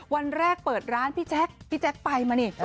วันแรกเปิดร้านพี่แจ๊คพี่แจ๊คไปมานี่